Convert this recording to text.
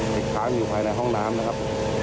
ติดค้างอยู่ภายในห้องน้ำนะครับ